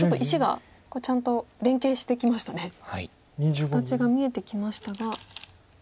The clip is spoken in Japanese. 形が見えてきましたが。